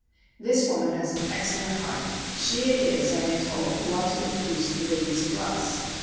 This woman has an excellent heart. She it is, I am told, who ought to introduce the ladies to us.